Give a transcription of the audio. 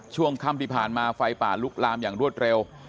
ช่วงค่ำที่ผ่านมาไฟป่าลุกลามอย่างรวดเร็ว